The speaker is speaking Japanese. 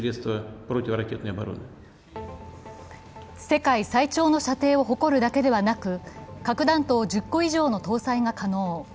世界最長の射程を誇るだけではなく核弾頭１０個以上の搭載が可能。